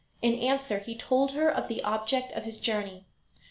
In answer he told her of the object of his journey.